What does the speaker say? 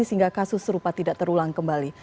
sehingga kasus serupa tidak terulang kembali